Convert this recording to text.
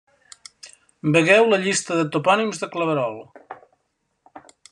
Vegeu la llista de Topònims de Claverol.